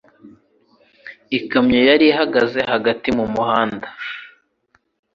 Ikamyo yari ihagaze hagati mu muhanda.